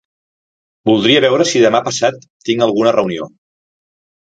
Voldria veure si demà passat tinc alguna reunió.